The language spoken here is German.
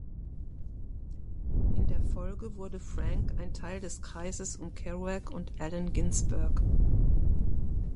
In der Folge wurde Frank ein Teil des Kreises um Kerouac und Allen Ginsberg.